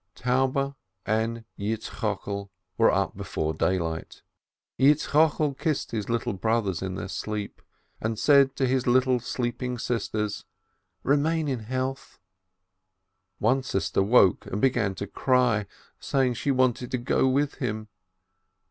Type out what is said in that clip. Taube and Yitzchokel were up before daylight. Yitzchokel kissed his little brothers in their sleep, and said to his sleeping little sisters, "Remain in health" ; one sister woke and began to cry, saying she wanted to go with him.